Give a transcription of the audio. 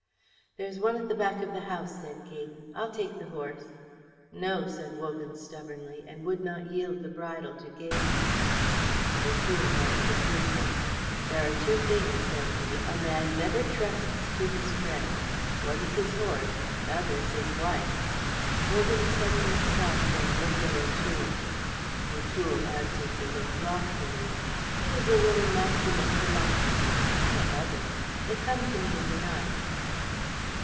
"There's one at the back of the house," said Gaydon. "I'll take the horse." "No," said Wogan, stubbornly, and would not yield the bridle to Gaydon. O'Toole nodded approval. "There are two things," said he, "a man never trusts to his friends. One's his horse; t' other's his wife." Wogan suddenly stopped and looked at O'Toole. O'Toole answered the look loftily. "It is a little maxim of philosophy. I have others. They come to me in the night."